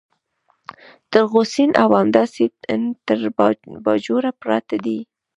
تر غو سین او همداسې ان تر باجوړه پراته دي.